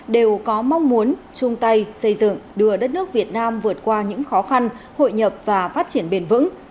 đều có mong muốn chung tay xây dựng đưa đất nước việt nam vượt qua những khó khăn hội nhập và phát triển bền vững